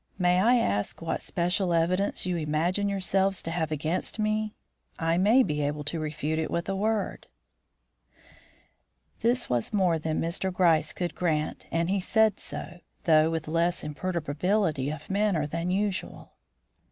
May I ask what special evidence you imagine yourselves to have against me? I may be able to refute it with a word." This was more than Mr. Gryce could grant, and he said so, though with less imperturbability of manner than usual.